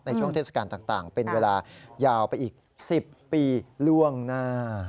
ช่วงเทศกาลต่างเป็นเวลายาวไปอีก๑๐ปีล่วงหน้า